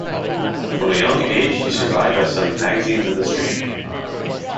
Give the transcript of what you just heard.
From a young age, he survived by selling magazines in the street.